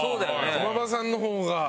駒場さんの方が。